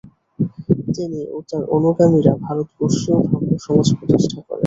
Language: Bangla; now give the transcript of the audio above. তিনি ও তার অনুগামীরা ভারতবর্ষীয় ব্রাহ্মসমাজ প্রতিষ্ঠা করেন।